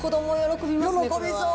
喜びそう。